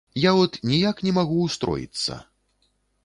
Я от ніяк не магу ўстроіцца.